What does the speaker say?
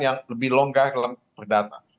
yang lebih longgar dalam perdata